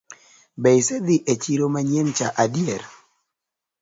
Be isedhii e chiro manyien cha adier?